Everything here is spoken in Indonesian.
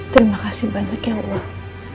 terima kasih banyak ya allah